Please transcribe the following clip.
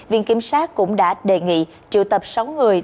viện kiểm sát cũng đã đề nghị triệu tập sáu người